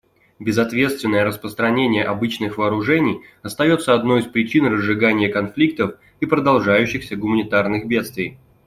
Безответственное распространение обычных вооружений остается одной из причин разжигания конфликтов и продолжающихся гуманитарных бедствий.